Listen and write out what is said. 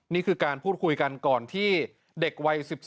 นี่คือการพูดคุยกันก่อนที่เด็กวัย๑๔